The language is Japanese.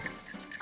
あ！